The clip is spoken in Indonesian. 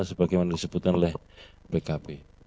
sebagaimana disebutkan oleh pkb